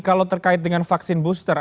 kalau terkait dengan vaksin booster